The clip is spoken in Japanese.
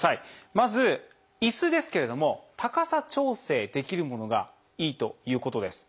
まず椅子ですけれども高さ調整できるものがいいということです。